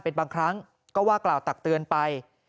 เป็นบางครั้งก็ว่ากล่าวตักเตือนไป